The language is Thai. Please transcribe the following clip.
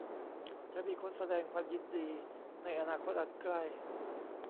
จะมีคนแสดงความยินดีในอนาคตอันใกล้